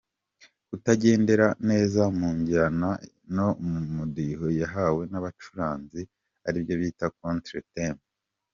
Kutajyendera neza mu njyana no mu mudiho yahawe n’abacuranzi aribyo bita contre temps.